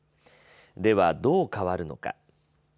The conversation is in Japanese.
ではどう変わるのか。